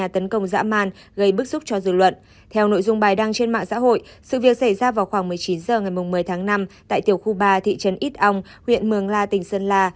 theo nội dung bài đăng trên mạng xã hội sự việc xảy ra vào khoảng một mươi chín h ngày một mươi tháng năm tại tiểu khu ba thị trấn ít ong huyện mường la tỉnh sơn la